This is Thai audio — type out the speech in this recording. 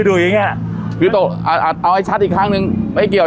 ดุ่ยอย่างเงี้ยเอาเอาเอาไอ้ชัดอีกครั้งหนึ่งไม่เกี่ยว